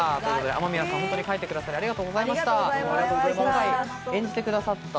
雨宮さん、本当に描いてくださり、ありがとうございました。